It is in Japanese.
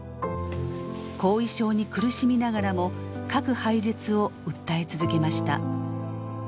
後遺症に苦しみながらも核廃絶を訴え続けました。